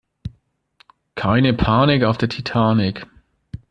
Keine Panik auf der Titanic!